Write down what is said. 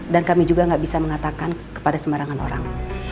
dan kami juga gak bisa mengatakan kepada semerangan orang